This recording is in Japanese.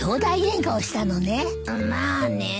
まあね。